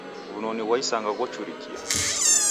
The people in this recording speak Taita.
W'unoni ghwa isanga ghochurikia.